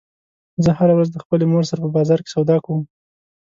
زه هره ورځ د خپلې مور سره په بازار کې سودا کوم